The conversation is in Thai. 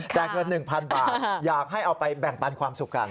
เงิน๑๐๐๐บาทอยากให้เอาไปแบ่งปันความสุขกัน